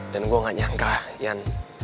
dan gua gak nyangka ian